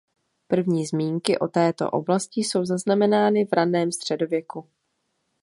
První zmínky o této oblasti jsou zaznamenány v raném středověku.